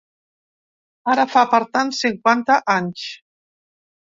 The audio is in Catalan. Ara fa, per tant, cinquanta anys.